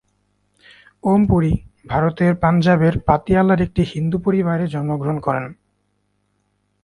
ওম পুরি ভারতের পাঞ্জাবের পাতিয়ালার একটি হিন্দু পরিবারে জন্মগ্রহণ করেন।